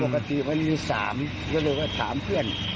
ปกติมันหนึ่งสามก็เลยถามเพื่อน